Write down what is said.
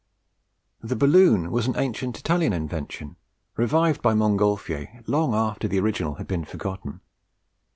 The balloon was an ancient Italian invention, revived by Mongolfier long after the original had been forgotten.